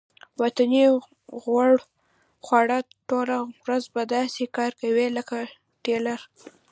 وطني غوړ وخوره ټوله ورځ به داسې کار کوې لکه ټېلر.